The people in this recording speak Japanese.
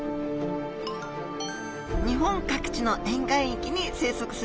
日本各地の沿岸域に生息するマアジちゃん。